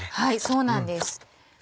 そうなんです。